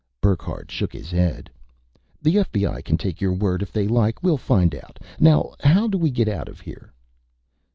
Burckhardt shook his head. "The FBI can take your word if they like. We'll find out. Now how do we get out of here?"